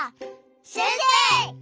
せんせい！